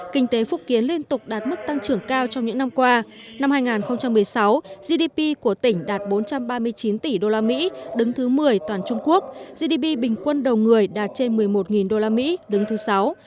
kinh tế phúc kiến liên tục đạt mức tăng trưởng cao trong những năm qua năm hai nghìn một mươi sáu gdp của tỉnh đạt bốn trăm ba mươi chín tỷ usd đứng thứ một mươi toàn trung quốc gdp bình quân đầu người đạt trên một mươi một usd đứng thứ sáu